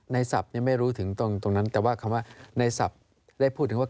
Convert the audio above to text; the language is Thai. ในศัพท์ยังไม่รู้ถึงตรงนั้นแต่ว่าในศัพท์ได้พูดถึงว่า